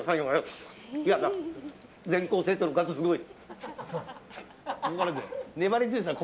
全校生徒の数すごい。